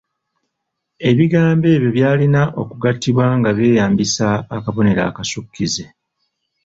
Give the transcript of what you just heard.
Ebigambo ebyo byalina okugattibwa nga beeyambisa akabonero akasukkize.